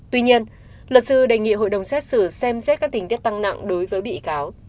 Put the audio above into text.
tuy nhiên luật sư đề nghị hội đồng xét xử xem xét các tình tiết tăng nặng đối với bị cáo